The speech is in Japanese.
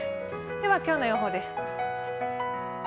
では、今日の予報です。